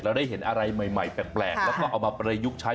ได้เห็นอะไรใหม่แปลกแล้วก็เอามาประยุกต์ใช้